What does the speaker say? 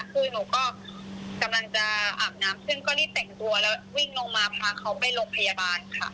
คือหนูก็กำลังจะอาบน้ำขึ้นก็รีบแต่งตัวแล้ววิ่งลงมาพาเขาไปโรงพยาบาลค่ะ